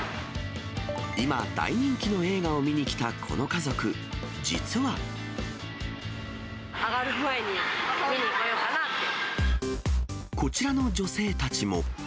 今大人気の映画を見に来たこ上がる前に見に行こうかなっこちらの女性たちも。